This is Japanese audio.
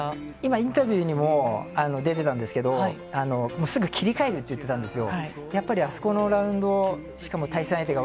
インタビューにも出ていたんですが、すぐ切り替えると言っていたんですよ。